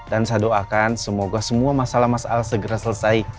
dan saya doakan semoga semua masalah mas al segera selesai